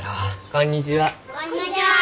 こんにちは！